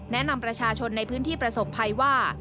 แนะนำประชาชนในพื้นที่ประสบภัยว่า